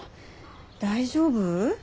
大丈夫？